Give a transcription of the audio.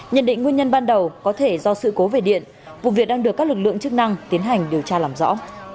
nhận định nguyên nhân ban đầu có thể do sự cố về điện vụ việc đang được các lực lượng chức năng tiến hành điều tra làm rõ